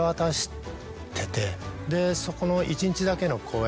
でそこの一日だけの公演